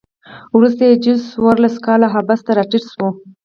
وروسته یې جزا څوارلس کاله حبس ته راټیټه شوه.